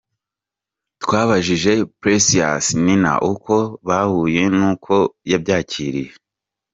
com twabajije Precious Nina uko bahuye n'uko yabyakiriye.